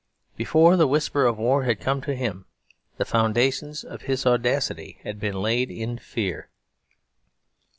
Before the whisper of war had come to him the foundations of his audacity had been laid in fear.